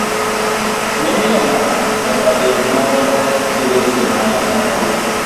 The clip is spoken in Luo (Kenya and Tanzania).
mimiyo ng'ato nyaka bed maromre gi weche ma ng'atno oyudo.